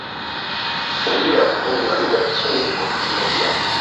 changia kupendwa lugha ya Kiswahili Kwa kuzingatia